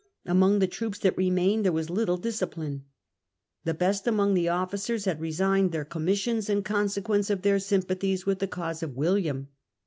Among the troops that remained there was little discipline. The best among the officers had resigned their commissions in consequence of their sympathies with the cause of William.